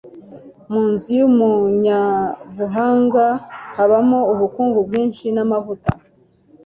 Mu nzu y’umunyabuhanga habamo ubukungu bwinshi n’amavuta